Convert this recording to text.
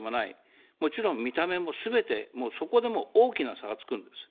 もちろん、見た目もすべて、もうそこでも大きな差がつくんです。